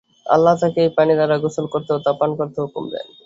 আল্লাহ তাঁকে এই পানি দ্বারা গোসল করতে ও তা পান করতে হুকুম দেন।